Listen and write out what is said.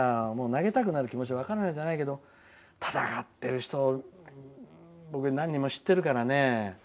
投げたくなる気持ちは分からなくないけど闘っている人を僕、何人も知ってるからね。